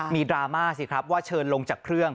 ดราม่าสิครับว่าเชิญลงจากเครื่อง